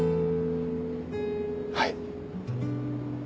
はい。